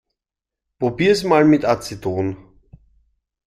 Probier es mal mit Aceton.